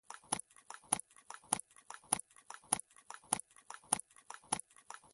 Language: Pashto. د کلیزو منظره د افغانستان د صنعت لپاره مواد برابروي.